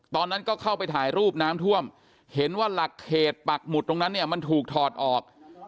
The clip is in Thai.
ตอนนั้นก็เข้าไปถ่ายรูปน้ำท่วมเห็นว่าหลักเขตปักหมุดตรงนั้นเนี่ยมันถูกถอดออก